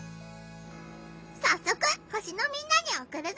さっそく星のみんなにおくるぞ！